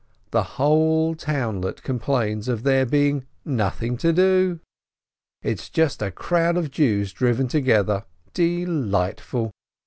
The whole townlet complains of there being nothing to do! It is just a crowd of Jews driven together. Delightful!